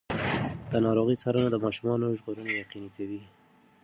د ناروغۍ څارنه د ماشومانو ژغورنه یقیني کوي.